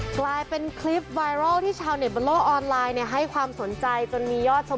กลายเป็นคลิปไวรัลที่ชาวเน็ตบนโลกออนไลน์ให้ความสนใจจนมียอดชม